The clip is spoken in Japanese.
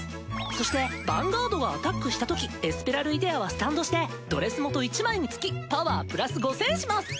そしてヴァンガードがアタックしたときエスペラルイデアはスタンドしてドレス元１枚につきパワープラス５０００します。